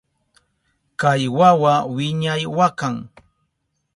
Kay wawa wiñay wakan.